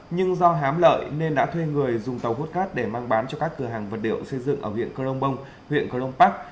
nhưng do hám lợi nên đã thuê người dùng tàu hút cát để mang bán cho các cửa hàng vật điệu xây dựng ở huyện cơ long bông huyện cơ long bắc